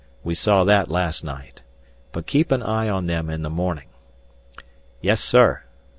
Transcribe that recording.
We saw that last night. But keep an eye on them in the morning " "Yes, sir."